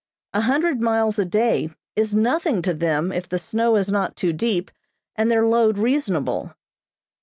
A hundred miles a day is nothing to them if the snow is not too deep and their load reasonable.